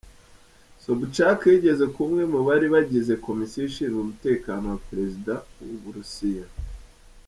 Sobchak yigeze kuba umwe mu bari bagize komisiyo ishinzwe umutekano wa Perezida w’ Uburusiya.